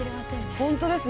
本当ですね